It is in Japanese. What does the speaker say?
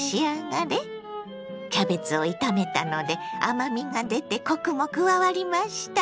キャベツを炒めたので甘みが出てコクも加わりました。